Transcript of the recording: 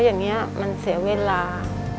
อย่างนี้มันเสียเวลา